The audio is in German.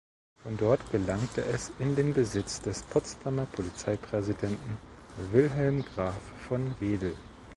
Von dort gelangte es in den Besitz des Potsdamer Polizeipräsidenten Wilhelm Graf von Wedel.